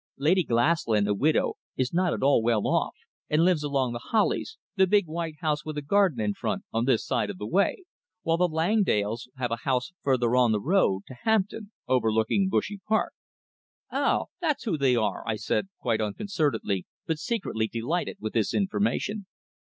Lady Glaslyn, a widow, is not at all well off, and lives along at The Hollies, the big white house with a garden in front on this side of the way, while the Langdales have a house further on the road to Hampton, overlooking Bushey Park." "Oh, that's who they are!" I said quite unconcernedly, but secretly delighted with this information.